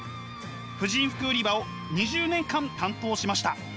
婦人服売り場を２０年間担当しました。